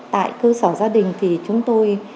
tại cơ sở gia đình thì chúng tôi